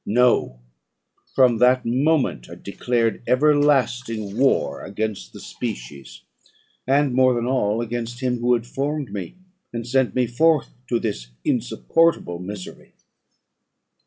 No: from that moment I declared everlasting war against the species, and, more than all, against him who had formed me, and sent me forth to this insupportable misery.